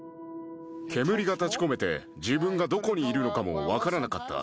煙が立ちこめて、自分がどこにいるのかも分からなかった。